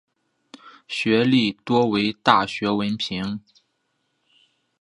学历多为大学文凭。